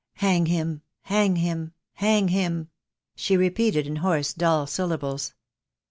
Hang him — hang him — hang him," she repeated, in hoarse dull syllables.